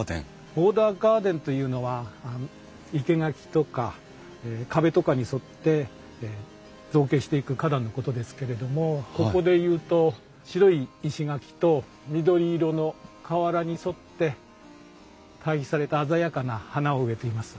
ボーダーガーデンというのは生け垣とか壁とかに沿って造形していく花壇のことですけれどもここでいうと白い石垣と緑色の瓦に沿って対比された鮮やかな花を植えています。